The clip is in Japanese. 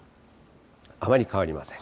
あまり変わりません。